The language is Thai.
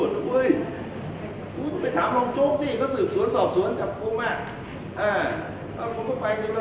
เรียกน้อยกว่าผมผมกล้าใช้เงินไง